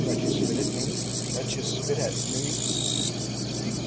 that ye spit at me that ye spit at me?